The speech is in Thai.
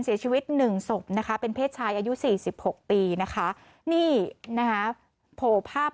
เสียชีวิตหนึ่งศพนะคะเป็นเพศชายอายุ๔๖ปีนะคะนี่นะคะโผล่ภาพ